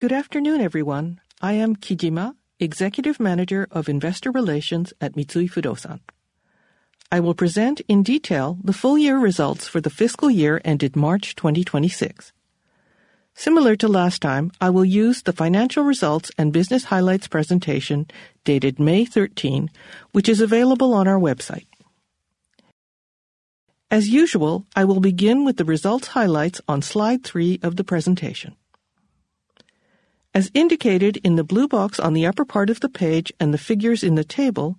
Good afternoon, everyone. I am Kijima, Executive Manager of Investor Relations at Mitsui Fudosan. I will present in detail the full-year results for the fiscal year ended March 2026. Similar to last time, I will use the financial results and business highlights presentation dated May 13th, which is available on our website. As usual, I will begin with the results highlights on slide three of the presentation. As indicated in the blue box on the upper part of the page and the figures in the table,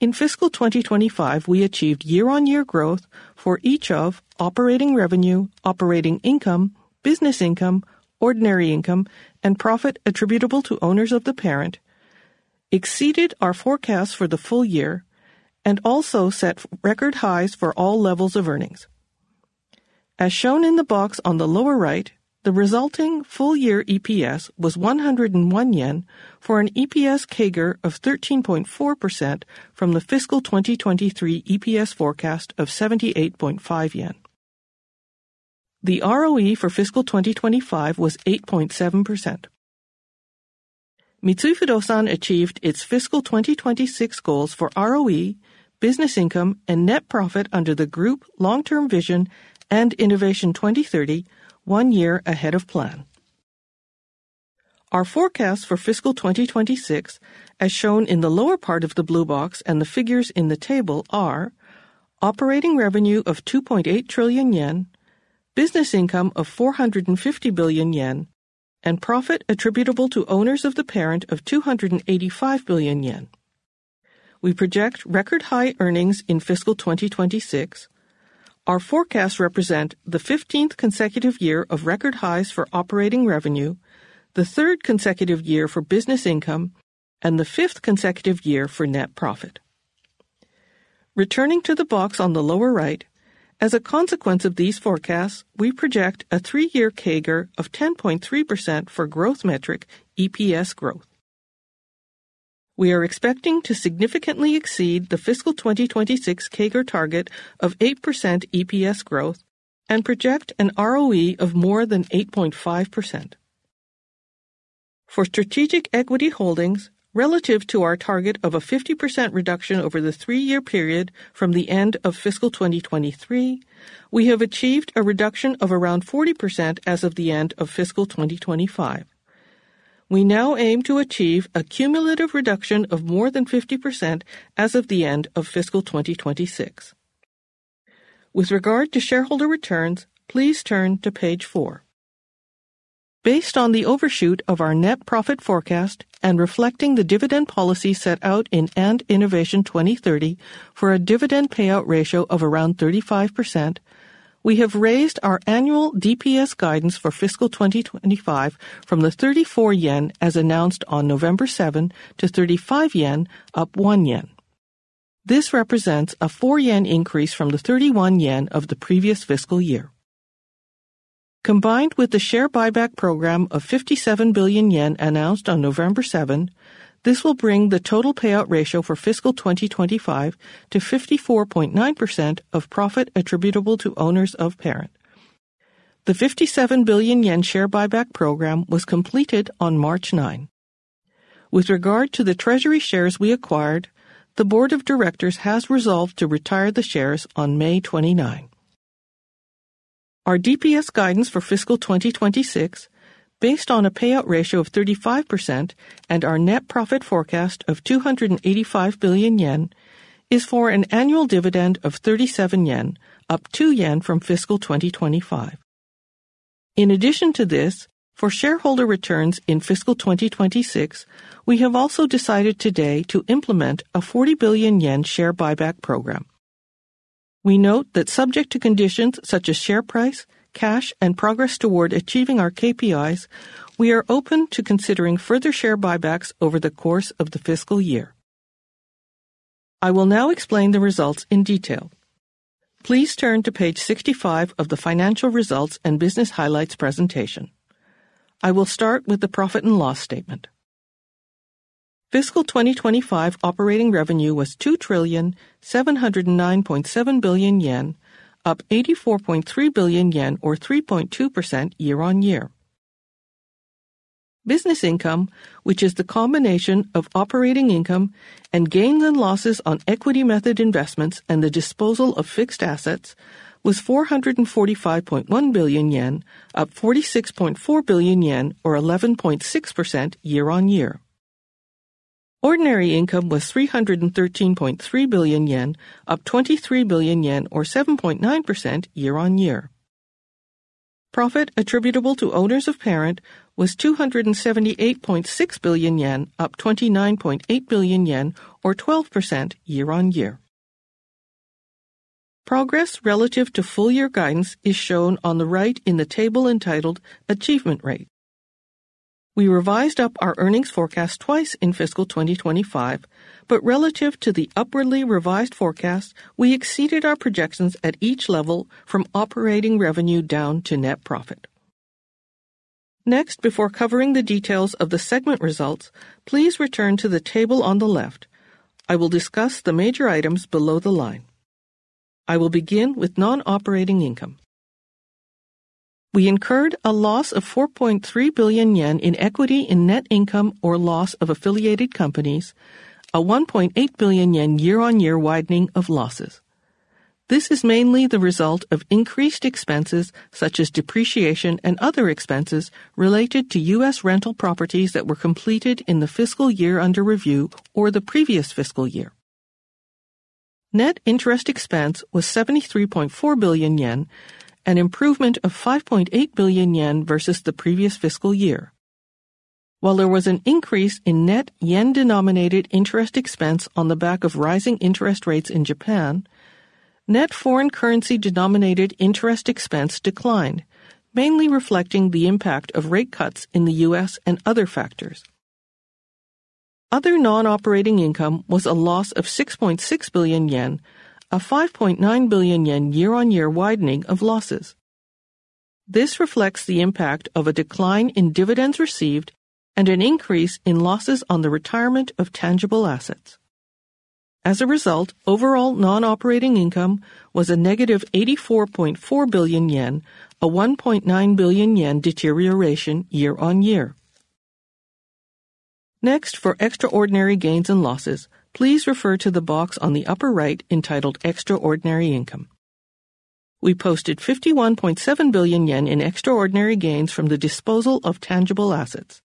in fiscal 2025, we achieved year-on-year growth for each of operating revenue, operating income, business income, ordinary income, and profit attributable to owners of the parent exceeded our forecast for the full-year and also set record highs for all levels of earnings. As shown in the box on the lower right, the resulting full-year EPS was 101 yen for an EPS CAGR of 13.4% from the fiscal 2023 EPS forecast of 78.5 yen. The ROE for fiscal 2025 was 8.7%. Mitsui Fudosan achieved its fiscal 2026 goals for ROE, business income, and net profit under the Group Long-Term Vision & INNOVATION 2030, one year ahead of plan. Our forecast for fiscal 2026, as shown in the lower part of the blue box and the figures in the table are operating revenue of 2.8 trillion yen, business income of 450 billion yen, and profit attributable to owners of the parent of 285 billion yen. We project record high earnings in fiscal 2026. Our forecasts represent the 15th consecutive year of record highs for operating revenue, the third consecutive year for business income, and the fifth consecutive year for net profit. Returning to the box on the lower right, as a consequence of these forecasts, we project a three-year CAGR of 10.3% for growth metric EPS growth. We are expecting to significantly exceed the fiscal 2026 CAGR target of 8% EPS growth and project an ROE of more than 8.5%. For strategic equity holdings, relative to our target of a 50% reduction over the three-year period from the end of fiscal 2023, we have achieved a reduction of around 40% as of the end of fiscal 2025. We now aim to achieve a cumulative reduction of more than 50% as of the end of fiscal 2026. With regard to shareholder returns, please turn to page four. Based on the overshoot of our net profit forecast and reflecting the dividend policy set out in & INNOVATION 2030 for a dividend payout ratio of around 35%, we have raised our annual DPS guidance for fiscal 2025 from the 34 yen as announced on November 7th to 35 yen, up 1 yen. This represents a 4 yen increase from the 31 yen of the previous fiscal year. Combined with the share buyback program of 57 billion yen announced on November 7th, this will bring the total payout ratio for fiscal 2025 to 54.9% of profit attributable to owners of parent. The 57 billion yen share buyback program was completed on March 9th. With regard to the treasury shares we acquired, the board of directors has resolved to retire the shares on May 29. Our DPS guidance for fiscal 2026 based on a payout ratio of 35% and our net profit forecast of 285 billion yen is for an annual dividend of 37 yen, up 2 yen from fiscal 2025. In addition to this, for shareholder returns in fiscal 2026, we have also decided today to implement a 40 billion yen share buyback program. We note that subject to conditions such as share price, cash, and progress toward achieving our KPIs, we are open to considering further share buybacks over the course of the fiscal year. I will now explain the results in detail. Please turn to page 65 of the financial results and business highlights presentation. I will start with the profit and loss statement. Fiscal 2025 operating revenue was 2,709.7 billion yen, up 84.3 billion yen or 3.2% year-on-year. Business income, which is the combination of operating income and gains and losses on equity method investments and the disposal of fixed assets was 445.1 billion yen, up 46.4 billion yen or 11.6% year-on-year. Ordinary income was 313.3 billion yen, up 23 billion yen or 7.9% year-on-year. Profit attributable to owners of parent was 278.6 billion yen, up 29.8 billion yen or 12% year-on-year. Progress relative to full-year guidance is shown on the right in the table entitled Achievement Rate. We revised up our earnings forecast 2x in fiscal 2025, but relative to the upwardly revised forecast, we exceeded our projections at each level from operating revenue down to net profit. Before covering the details of the segment results, please return to the table on the left. I will discuss the major items below the line. I will begin with non-operating income. We incurred a loss of 4.3 billion yen in equity in net income or loss of affiliated companies, a 1.8 billion yen year-on-year widening of losses. This is mainly the result of increased expenses such as depreciation and other expenses related to U.S. rental properties that were completed in the fiscal year under review or the previous fiscal year. Net interest expense was 73.4 billion yen, an improvement of 5.8 billion yen versus the previous fiscal year. While there was an increase in net yen-denominated interest expense on the back of rising interest rates in Japan, net foreign currency denominated interest expense declined, mainly reflecting the impact of rate cuts in the U.S. and other factors. Other non-operating income was a loss of 6.6 billion yen, a 5.9 billion yen year-on-year widening of losses. This reflects the impact of a decline in dividends received and an increase in losses on the retirement of tangible assets. As a result, overall non-operating income was a -84.4 billion yen, a 1.9 billion yen deterioration year-on-year. Next, for extraordinary gains and losses, please refer to the box on the upper right entitled Extraordinary Income. We posted 51.7 billion yen in extraordinary gains from the disposal of tangible assets.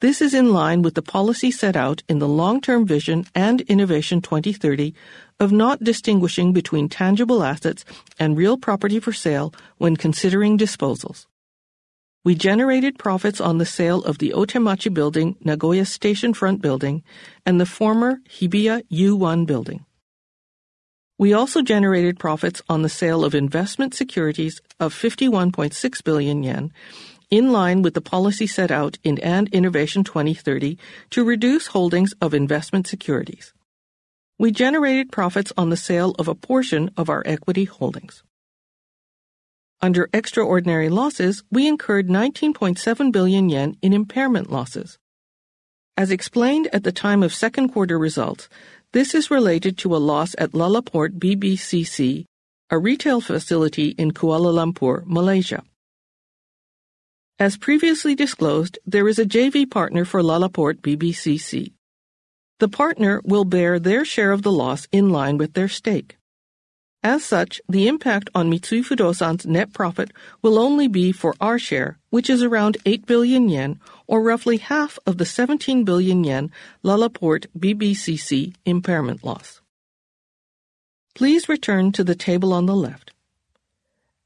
This is in line with the policy set out in the long-term vision & INNOVATION 2030 of not distinguishing between tangible assets and real property for sale when considering disposals. We generated profits on the sale of the Otemachi Building, Nagoya Station Front Building and the former Hibiya U-1 Building. We also generated profits on the sale of investment securities of 51.6 billion yen in line with the policy set out in & INNOVATION 2030 to reduce holdings of investment securities. We generated profits on the sale of a portion of our equity holdings. Under extraordinary losses, we incurred 19.7 billion yen in impairment losses. As explained at the time of second quarter results, this is related to a loss at LaLaport BBCC, a retail facility in Kuala Lumpur, Malaysia. As previously disclosed, there is a JV partner for LaLaport BBCC. The partner will bear their share of the loss in line with their stake. As such, the impact on Mitsui Fudosan's net profit will only be for our share, which is around 8 billion yen or roughly half of the 17 billion yen LaLaport BBCC impairment loss. Please return to the table on the left.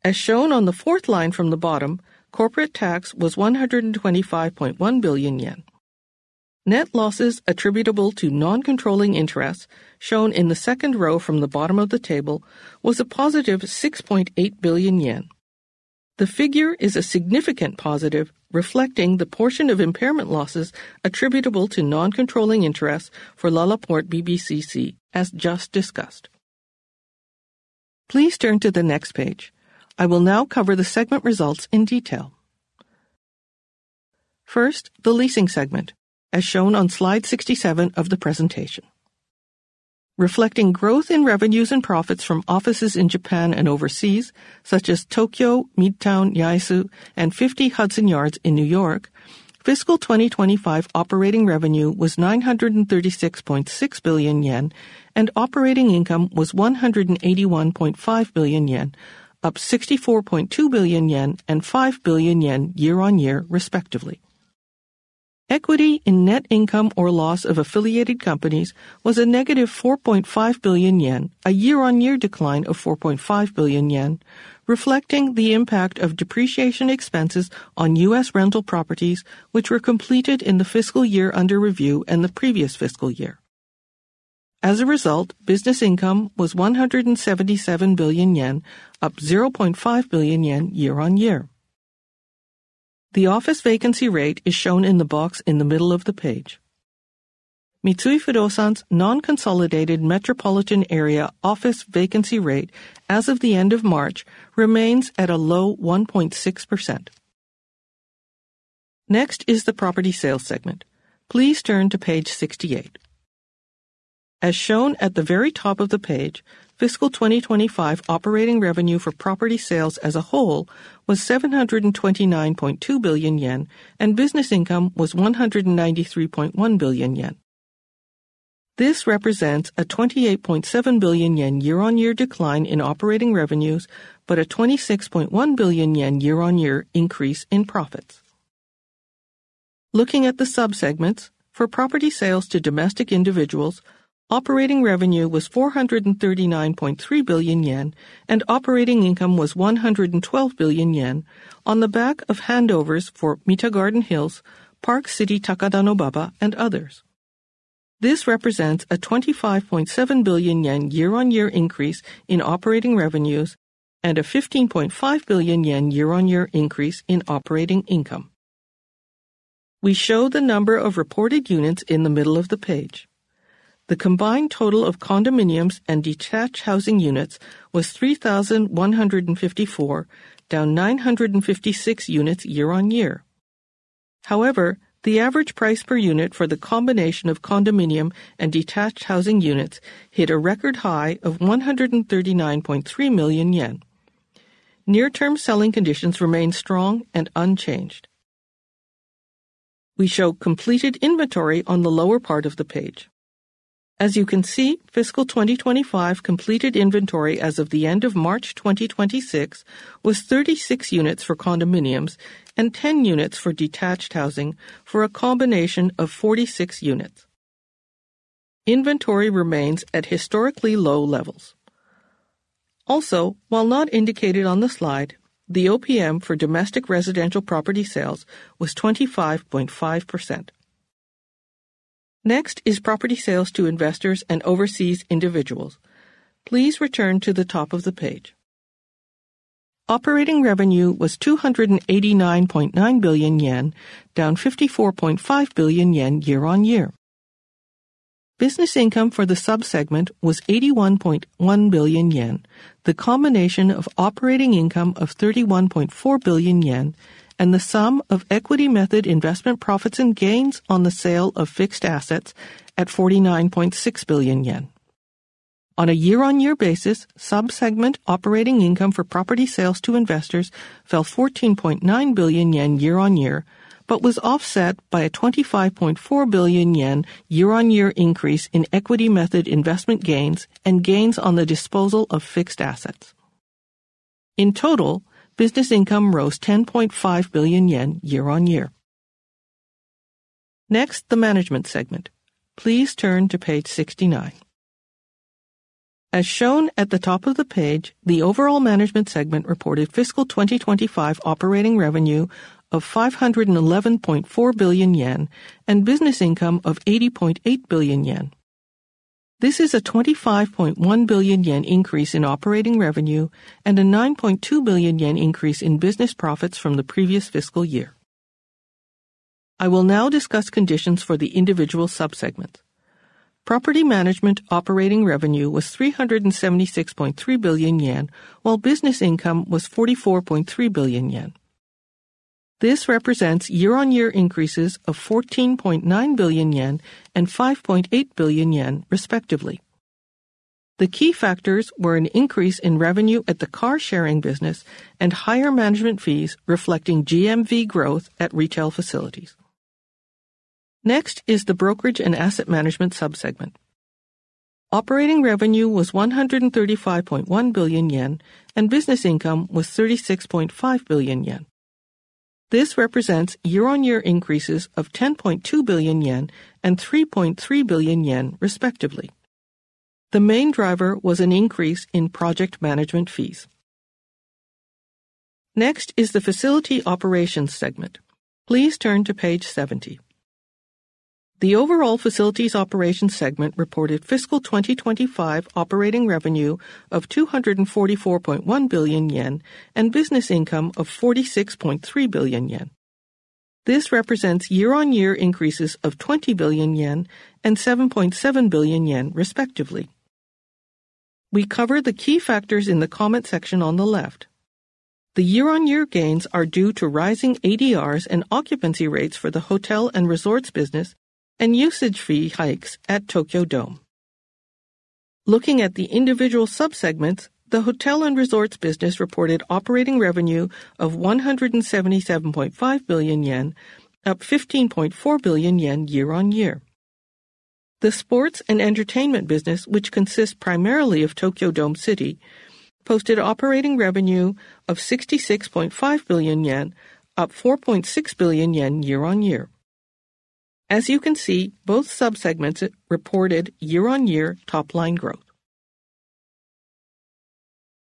As shown on the fourth line from the bottom, corporate tax was 125.1 billion yen. Net losses attributable to non-controlling interests shown in the second row from the bottom of the table was a +6.8 billion yen. The figure is a significant positive, reflecting the portion of impairment losses attributable to non-controlling interests for LaLaport BBCC as just discussed. Please turn to the next page. I will now cover the segment results in detail. First, the leasing segment, as shown on slide 67 of the presentation. Reflecting growth in revenues and profits from offices in Japan and overseas, such as Tokyo Midtown Yaesu and 50 Hudson Yards in New York, fiscal 2025 operating revenue was 936.6 billion yen and operating income was 181.5 billion yen, up 64.2 billion yen and 5 billion yen year-on-year, respectively. Equity in net income or loss of affiliated companies was a -4.5 billion yen, a year-on-year decline of 4.5 billion yen, reflecting the impact of depreciation expenses on U.S. rental properties which were completed in the fiscal year under review and the previous fiscal year. As a result, business income was 177 billion yen, up 0.5 billion yen year-on-year. The office vacancy rate is shown in the box in the middle of the page. Mitsui Fudosan's non-consolidated metropolitan area office vacancy rate as of the end of March remains at a low 1.6%. Next is the property sales segment. Please turn to page 68. As shown at the very top of the page, FY 2025 operating revenue for property sales as a whole was 729.2 billion yen and business income was 193.1 billion yen. This represents a 28.7 billion yen year-on-year decline in operating revenues, but a 26.1 billion yen year-on-year increase in profits. Looking at the sub-segments for property sales to domestic individuals, operating revenue was 439.3 billion yen and operating income was 112 billion yen on the back of handovers for Mita Garden Hills, Park City Takadanobaba and others. This represents a 25.7 billion yen year-on-year increase in operating revenues and a 15.5 billion yen year-on-year increase in operating income. We show the number of reported units in the middle of the page. The combined total of condominiums and detached housing units was 3,154, down 956 units year-on-year. The average price per unit for the combination of condominium and detached housing units hit a record high of 139.3 million yen. Near-term selling conditions remain strong and unchanged. We show completed inventory on the lower part of the page. As you can see, fiscal 2025 completed inventory as of the end of March 2026 was 36 units for condominiums and 10 units for detached housing for a combination of 46 units. Inventory remains at historically low levels. Also, while not indicated on the slide, the OPM for domestic residential property sales was 25.5%. Next is property sales to investors and overseas individuals. Please return to the top of the page. Operating revenue was 289.9 billion yen, down 54.5 billion yen year-on-year. Business income for the sub-segment was 81.1 billion yen, the combination of operating income of 31.4 billion yen and the sum of equity method investment profits and gains on the sale of fixed assets at 49.6 billion yen. On a year-on-year basis, sub-segment operating income for property sales to investors fell 14.9 billion yen year-on-year but was offset by a 25.4 billion yen year-on-year increase in equity method investment gains and gains on the disposal of fixed assets. In total, business income rose 10.5 billion yen year-on-year. Next, the management segment. Please turn to page 69. As shown at the top of the page, the overall management segment reported fiscal 2025 operating revenue of 511.4 billion yen and business income of 80.8 billion yen. This is a 25.1 billion yen increase in operating revenue and a 9.2 billion yen increase in business profits from the previous fiscal year. I will now discuss conditions for the individual sub-segments. Property management operating revenue was 376.3 billion yen, while business income was 44.3 billion yen. This represents year-on-year increases of 14.9 billion yen and 5.8 billion yen, respectively. The key factors were an increase in revenue at the car sharing business and higher management fees reflecting GMV growth at retail facilities. Next is the brokerage and asset management sub-segment. Operating revenue was 135.1 billion yen and business income was 36.5 billion yen. This represents year-on-year increases of 10.2 billion yen and 3.3 billion yen, respectively. The main driver was an increase in project management fees. Next is the facility operations segment. Please turn to page 70. The overall facilities operations segment reported fiscal 2025 operating revenue of 244.1 billion yen and business income of 46.3 billion yen. This represents year-on-year increases of 20 billion yen and 7.7 billion yen, respectively. We cover the key factors in the comment section on the left. The year-on-year gains are due to rising ADRs and occupancy rates for the hotel and resorts business and usage fee hikes at Tokyo Dome. Looking at the individual sub-segments, the hotel and resorts business reported operating revenue of 177.5 billion yen, up 15.4 billion yen year-on-year. The sports and entertainment business, which consists primarily of Tokyo Dome City, posted operating revenue of 66.5 billion yen, up 4.6 billion yen year-on-year. As you can see, both sub-segments reported year-on-year top-line growth.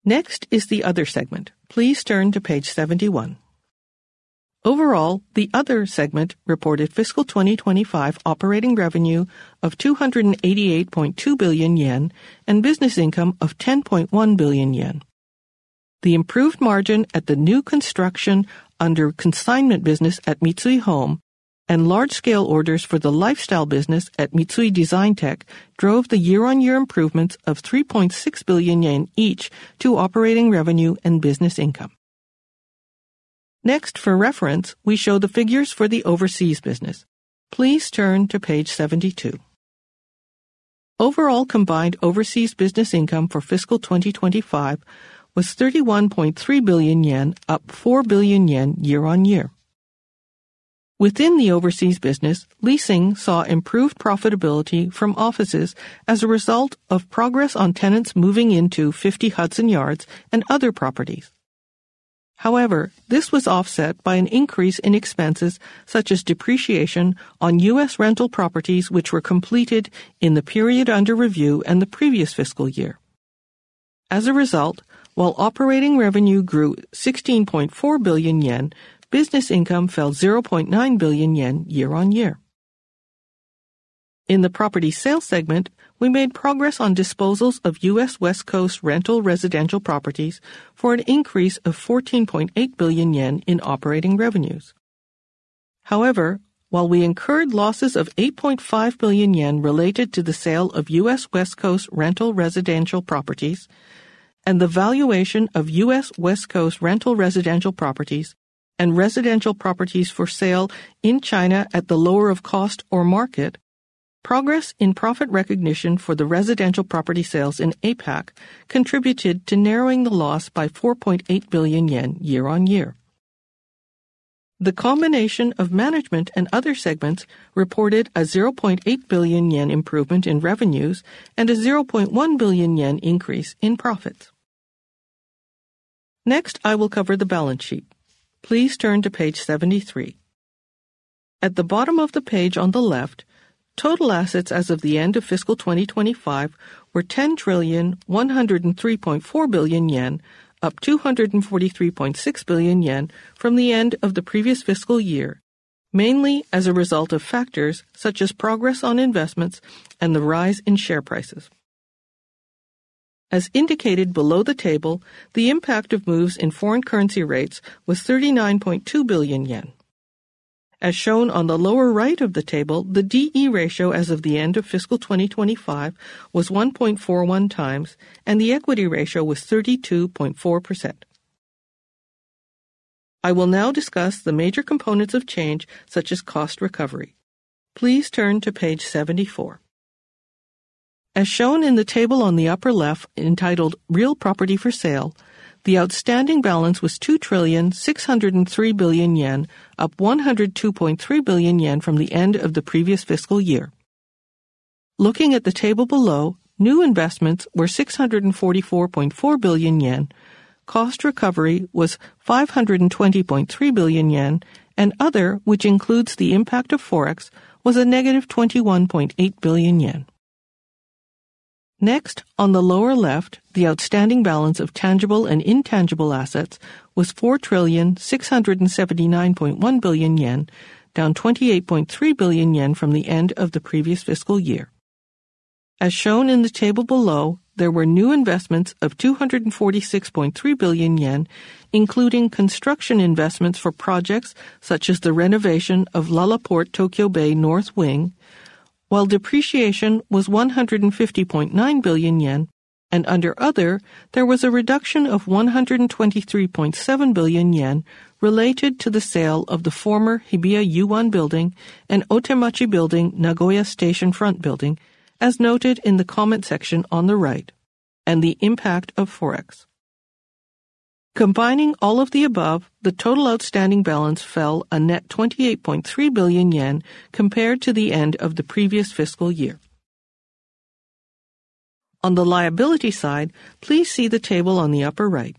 Next is the other segment. Please turn to page 71. Overall, the other segment reported fiscal 2025 operating revenue of 288.2 billion yen and business income of 10.1 billion yen. The improved margin at the new construction under consignment business at Mitsui Home and large-scale orders for the lifestyle business at Mitsui Designtec drove the year-on-year improvements of 3.6 billion yen each to operating revenue and business income. Next, for reference, we show the figures for the overseas business. Please turn to page 72. Overall combined overseas business income for fiscal 2025 was 31.3 billion yen, up 4 billion yen year-on-year. Within the overseas business, leasing saw improved profitability from offices as a result of progress on tenants moving into 50 Hudson Yards and other properties. However, this was offset by an increase in expenses such as depreciation on U.S. rental properties which were completed in the period under review and the previous fiscal year. As a result, while operating revenue grew 16.4 billion yen, business income fell 0.9 billion yen year-on-year. In the property sales segment, we made progress on disposals of U.S. West Coast rental residential properties for an increase of 14.8 billion yen in operating revenues. However, while we incurred losses of 8.5 billion yen related to the sale of U.S. West Coast rental residential properties and the valuation of U.S. West Coast rental residential properties and residential properties for sale in China at the lower of cost or market. Progress in profit recognition for the residential property sales in APAC contributed to narrowing the loss by 4.8 billion yen year-on-year. The combination of management and other segments reported a 0.8 billion yen improvement in revenues and a 0.1 billion yen increase in profits. Next, I will cover the balance sheet. Please turn to page 73. At the bottom of the page on the left, total assets as of the end of fiscal 2025 were 10,103.4 billion yen, up 243.6 billion yen from the end of the previous fiscal year, mainly as a result of factors such as progress on investments and the rise in share prices. As indicated below the table, the impact of moves in foreign currency rates was 39.2 billion yen. As shown on the lower right of the table, the D/E ratio as of the end of fiscal 2025 was 1.41x and the equity ratio was 32.4%. I will now discuss the major components of change such as cost recovery. Please turn to page 74. As shown in the table on the upper left entitled Real Property for Sale, the outstanding balance was 2,603 billion yen, up 102.3 billion yen from the end of the previous fiscal year. Looking at the table below, new investments were 644.4 billion yen, cost recovery was 520.3 billion yen, and other, which includes the impact of Forex, was a -21.8 billion yen. Next, on the lower left, the outstanding balance of tangible and intangible assets was 4,679.1 billion yen, down 28.3 billion yen from the end of the previous fiscal year. As shown in the table below, there were new investments of 246.3 billion yen, including construction investments for projects such as the renovation of LaLaport Tokyo Bay North Wing, while depreciation was 150.9 billion yen, and under other, there was a reduction of 123.7 billion yen related to the sale of the former Hibiya U-1 Building and Otemachi Building Nagoya Station Front Building, as noted in the comment section on the right, and the impact of Forex. Combining all of the above, the total outstanding balance fell a net 28.3 billion yen compared to the end of the previous fiscal year. On the liability side, please see the table on the upper right.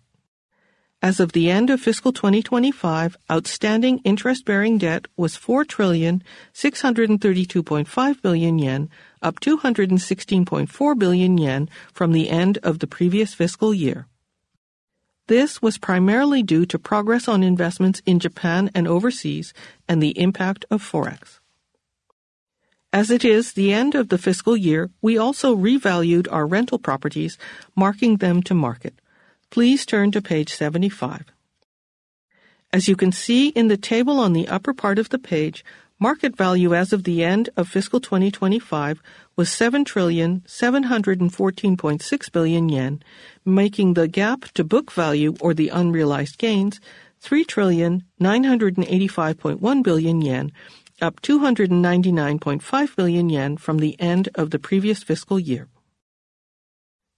As of the end of fiscal 2025, outstanding interest-bearing debt was 4,632.5 billion yen, up 216.4 billion yen from the end of the previous fiscal year. This was primarily due to progress on investments in Japan and overseas and the impact of Forex. As it is the end of the fiscal year, we also revalued our rental properties, marking them to market. Please turn to page 75. As you can see in the table on the upper part of the page, market value as of the end of fiscal 2025 was 7,714.6 billion yen, making the gap to book value or the unrealized gains 3,985.1 billion yen, up 299.5 billion yen from the end of the previous fiscal year.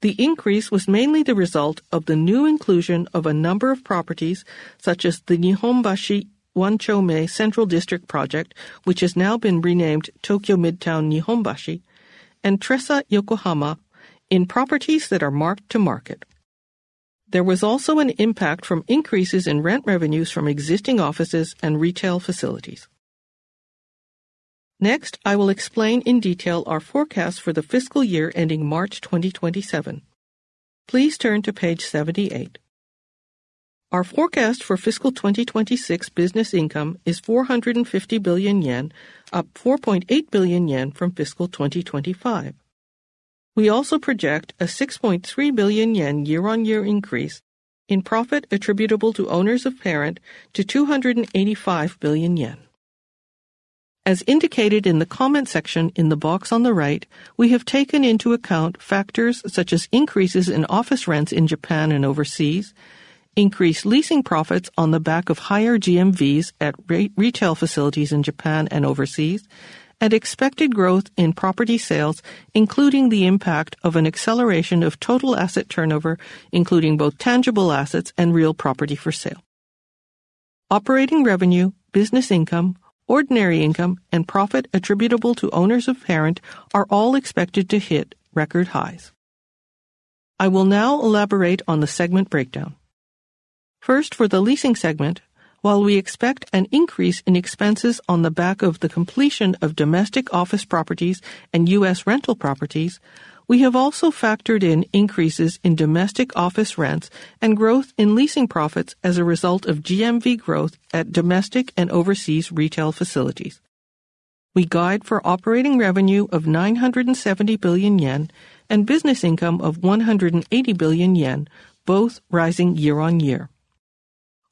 The increase was mainly the result of the new inclusion of a number of properties such as the Nihonbashi 1-Chome Central District project, which has now been renamed Tokyo Midtown Nihonbashi, and Tressa Yokohama in properties that are marked to market. There was also an impact from increases in rent revenues from existing offices and retail facilities. Next, I will explain in detail our forecast for the fiscal year ending March 2027. Please turn to page 78. Our forecast for fiscal 2026 business income is 450 billion yen, up 4.8 billion yen from fiscal 2025. We also project a 6.3 billion yen year-on-year increase in profit attributable to owners of parent to 285 billion yen. As indicated in the comment section in the box on the right, we have taken into account factors such as increases in office rents in Japan and overseas, increased leasing profits on the back of higher GMVs at retail facilities in Japan and overseas, and expected growth in property sales, including the impact of an acceleration of total asset turnover, including both tangible assets and real property for sale. Operating revenue, business income, ordinary income, and profit attributable to owners of parent are all expected to hit record highs. I will now elaborate on the segment breakdown. First, for the leasing segment, while we expect an increase in expenses on the back of the completion of domestic office properties and U.S. rental properties, we have also factored in increases in domestic office rents and growth in leasing profits as a result of GMV growth at domestic and overseas retail facilities. We guide for operating revenue of 970 billion yen and business income of 180 billion yen, both rising year-on-year.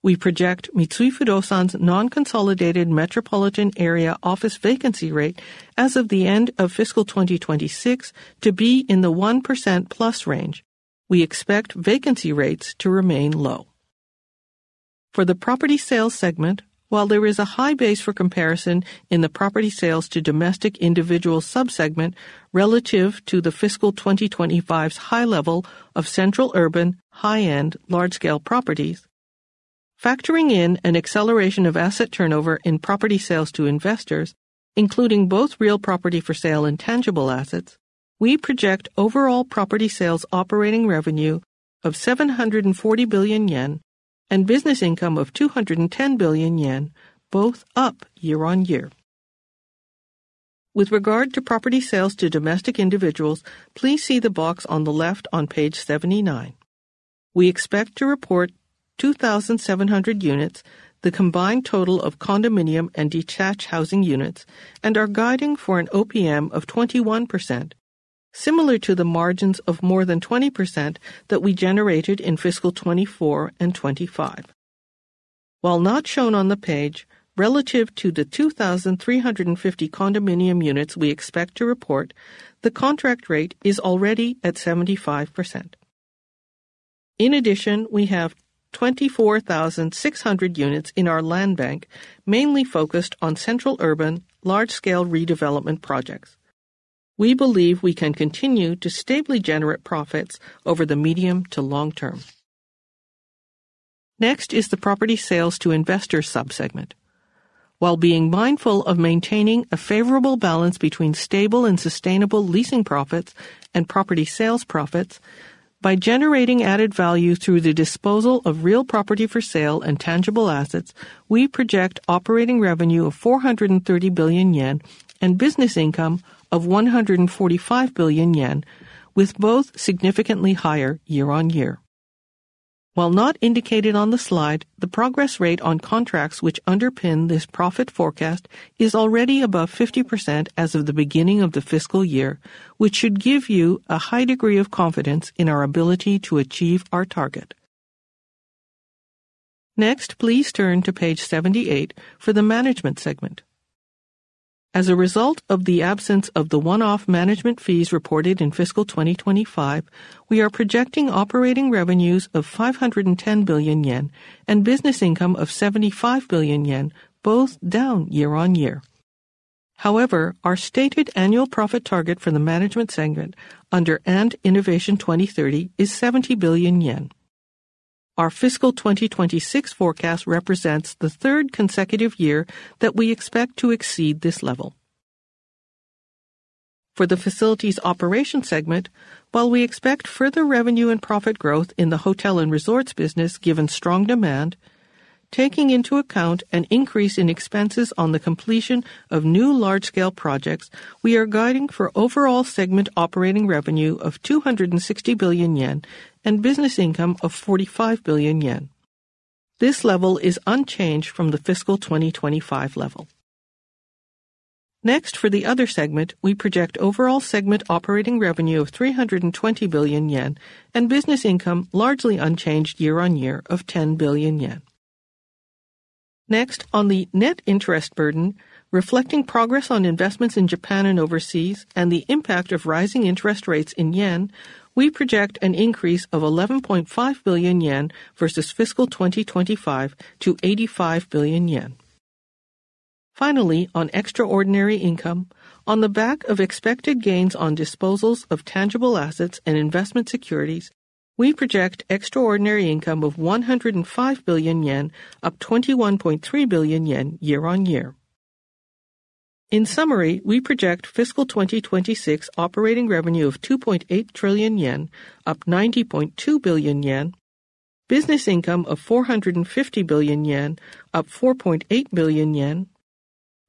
We project Mitsui Fudosan's non-consolidated metropolitan area office vacancy rate as of the end of fiscal 2026 to be in the 1%+ range. We expect vacancy rates to remain low. For the property sales segment, while there is a high base for comparison in the property sales to domestic individual sub-segment relative to the fiscal 2025's high level of central urban high-end large-scale properties, factoring in an acceleration of asset turnover in property sales to investors, including both real property for sale and tangible assets, we project overall property sales operating revenue of 740 billion yen and business income of 210 billion yen, both up year-on-year. With regard to property sales to domestic individuals, please see the box on the left on page 79. We expect to report 2,700 units, the combined total of condominium and detached housing units, and are guiding for an OPM of 21%, similar to the margins of more than 20% that we generated in fiscal 2024 and 2025. While not shown on the page, relative to the 2,350 condominium units we expect to report, the contract rate is already at 75%. In addition, we have 24,600 units in our land bank, mainly focused on central urban large-scale redevelopment projects. We believe we can continue to stably generate profits over the medium to long term. Next is the property sales to investors sub-segment. While being mindful of maintaining a favorable balance between stable and sustainable leasing profits and property sales profits by generating added value through the disposal of real property for sale and tangible assets, we project operating revenue of 430 billion yen and business income of 145 billion yen, with both significantly higher year-on-year. While not indicated on the slide, the progress rate on contracts which underpin this profit forecast is already above 50% as of the beginning of the fiscal year, which should give you a high degree of confidence in our ability to achieve our target. Next, please turn to page 78 for the management segment. As a result of the absence of the one-off management fees reported in fiscal 2025, we are projecting operating revenues of 510 billion yen and business income of 75 billion yen, both down year-on-year. However, our stated annual profit target for the management segment under & INNOVATION 2030 is 70 billion yen. Our fiscal 2026 forecast represents the third consecutive year that we expect to exceed this level. For the facilities operation segment, while we expect further revenue and profit growth in the hotel and resorts business given strong demand, taking into account an increase in expenses on the completion of new large-scale projects, we are guiding for overall segment operating revenue of 260 billion yen and business income of 45 billion yen. This level is unchanged from the fiscal 2025 level. Next, for the other segment, we project overall segment operating revenue of 320 billion yen and business income largely unchanged year-over-year of 10 billion yen. Next, on the net interest burden, reflecting progress on investments in Japan and overseas and the impact of rising interest rates in yen, we project an increase of 11.5 billion yen versus fiscal 2025 to 85 billion yen. Finally, on extraordinary income, on the back of expected gains on disposals of tangible assets and investment securities, we project extraordinary income of 105 billion yen up 21.3 billion yen year-on-year. In summary, we project fiscal 2026 operating revenue of 2.8 trillion yen, up 90.2 billion yen, business income of 450 billion yen, up 4.8 billion yen,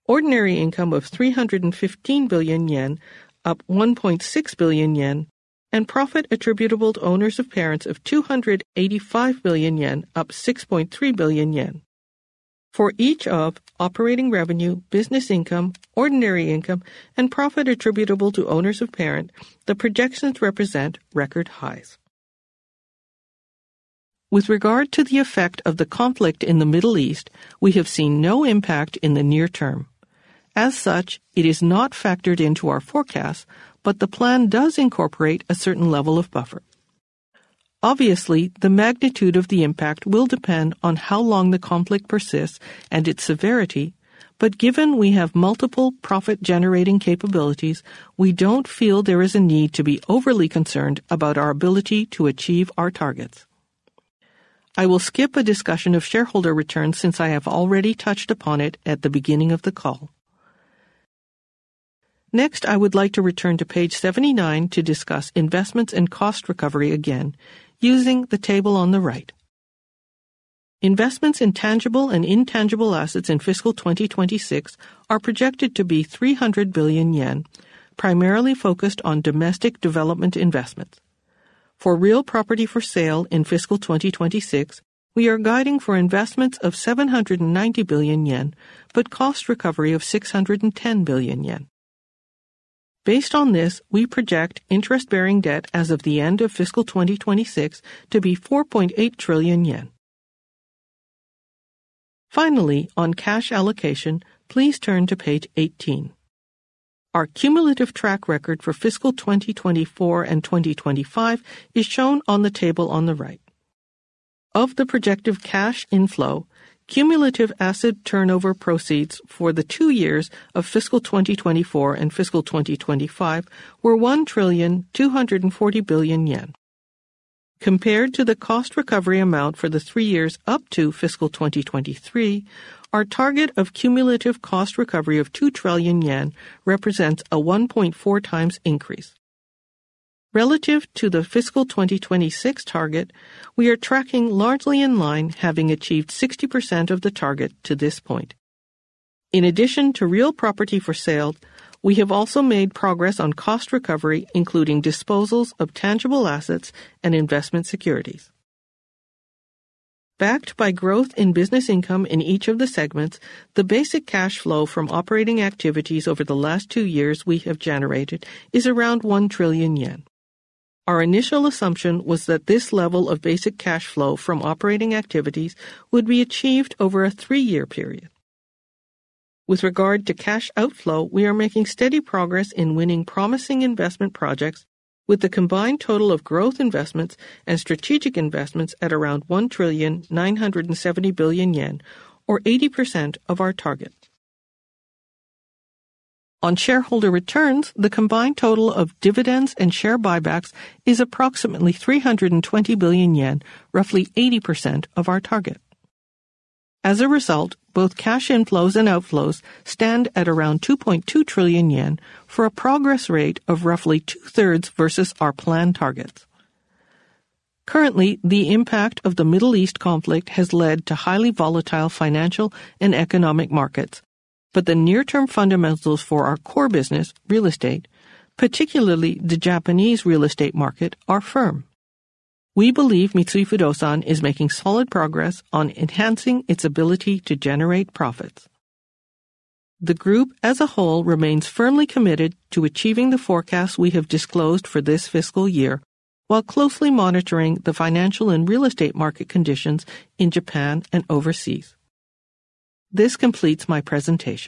ordinary income of 315 billion yen, up 1.6 billion yen, and profit attributable to owners of parents of 285 billion yen, up 6.3 billion yen. For each of operating revenue, business income, ordinary income, and profit attributable to owners of parent, the projections represent record highs. With regard to the effect of the conflict in the Middle East, we have seen no impact in the near term. As such, it is not factored into our forecast, but the plan does incorporate a certain level of buffer. Obviously, the magnitude of the impact will depend on how long the conflict persists and its severity. Given we have multiple profit-generating capabilities, we don't feel there is a need to be overly concerned about our ability to achieve our targets. I will skip a discussion of shareholder returns since I have already touched upon it at the beginning of the call. Next, I would like to return to page 79 to discuss investments and cost recovery again using the table on the right. Investments in tangible and intangible assets in fiscal 2026 are projected to be 300 billion yen, primarily focused on domestic development investments. For real property for sale in fiscal 2026, we are guiding for investments of 790 billion yen, but cost recovery of 610 billion yen. Based on this, we project interest-bearing debt as of the end of FY 2026 to be 4.8 trillion yen. Finally, on cash allocation, please turn to page 18. Our cumulative track record for fiscal 2024 and 2025 is shown on the table on the right. Of the projected cash inflow, cumulative asset turnover proceeds for the two years of fiscal 2024 and 2025 were 1,240 billion yen. Compared to the cost recovery amount for the three years up to fiscal 2023, our target of cumulative cost recovery of 2 trillion yen represents a 1.4x increase. Relative to the fiscal 2026 target, we are tracking largely in line, having achieved 60% of the target to this point. In addition to real property for sale, we have also made progress on cost recovery, including disposals of tangible assets and investment securities. Backed by growth in business income in each of the segments, the basic cash flow from operating activities over the last two years we have generated is around 1 trillion yen. Our initial assumption was that this level of basic cash flow from operating activities would be achieved over a three-year period. With regard to cash outflow, we are making steady progress in winning promising investment projects with the combined total of growth investments and strategic investments at around 1,970 billion yen or 80% of our target. On shareholder returns, the combined total of dividends and share buybacks is approximately 320 billion yen, roughly 80% of our target. As a result, both cash inflows and outflows stand at around 2.2 trillion yen for a progress rate of roughly 2/3 versus our planned targets. Currently, the impact of the Middle East conflict has led to highly volatile financial and economic markets, but the near-term fundamentals for our core business, real estate, particularly the Japanese real estate market, are firm. We believe Mitsui Fudosan is making solid progress on enhancing its ability to generate profits. The group as a whole remains firmly committed to achieving the forecasts we have disclosed for this fiscal year while closely monitoring the financial and real estate market conditions in Japan and overseas. This completes my presentation.